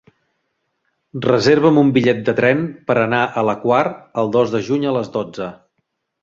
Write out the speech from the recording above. Reserva'm un bitllet de tren per anar a la Quar el dos de juny a les dotze.